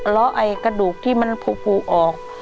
ล้อไอ้กระดูกที่มันผูออก